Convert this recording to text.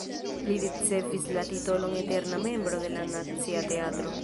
Li ricevis la titolon eterna membro de la Nacia Teatro.